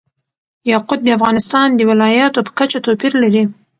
یاقوت د افغانستان د ولایاتو په کچه توپیر لري.